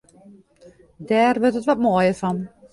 Dêr wurdt it wat moaier fan.